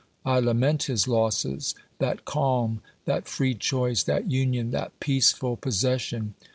I lament his losses — that calm, that free choice, that union, that peaceful possession.